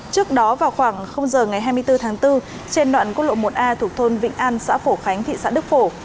trước đó vào khoảng giờ ngày hai mươi bốn tháng bốn trên đoạn quốc lộ một a thuộc thôn vĩnh an xã phổ khánh thị xã đức phổ